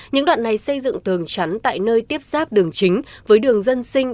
những đoạn này xây dựng tường trắn tại nơi tiếp xác đường chính với đường dân sinh